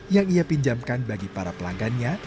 yang ia pinjamkan bagi para pelanggannya